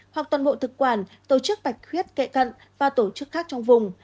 hoặc toàn bộ thực quản tổ chức bạch huyết kệ cận và tổ chức khác trong vùng